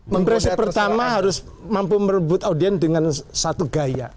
memberes pertama harus mampu merebut audiens dengan satu gaya